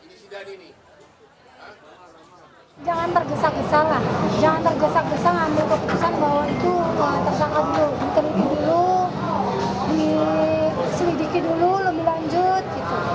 diteritih dulu diselidiki dulu lebih lanjut